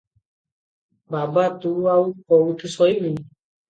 "ବାବା, ତୁ ଆଉ କେଉଁଠି ଶୋଇବୁ?